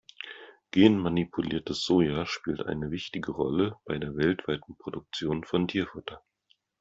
Genmanipuliertes Soja spielt eine wichtige Rolle bei der weltweiten Produktion von Tierfutter.